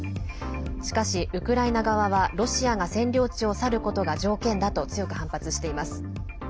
しかし、ウクライナ側はロシアが占領地を去ることが条件だと強く反発しています。